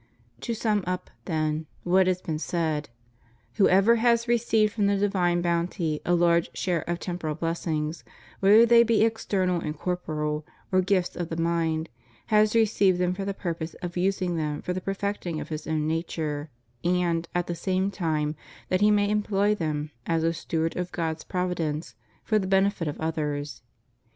^ To sum up, then, what has been said : Whoever has received from the divine bounty a large share of temporal blessings, whether they be external and corporeal, or gifts of the mind, has received them for the purpose of using them for the perfecting of his own naturej and, at the same time, that he may employ them, as the steward of God's providence, for the benefit of others.